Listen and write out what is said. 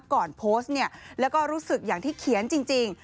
ก่อนโพสต์เนี่ยแล้วก็รู้สึกอย่างที่เขียนจริง